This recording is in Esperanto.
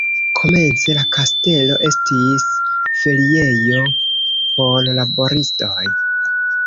Komence la kastelo estis feriejo por laboristoj.